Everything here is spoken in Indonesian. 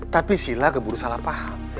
tapi sila keburu salah paham